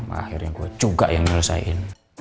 akhirnya gue juga yang nyelesaikan